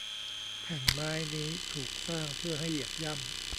แผ่นไม้นี้ถูกสร้างเพื่อให้เหยียบย่ำ